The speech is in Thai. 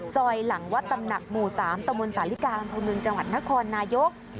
ซอยหลังวัดตำหนักหมู่๓ตมสาธิกาธรรมนึงจนครนายก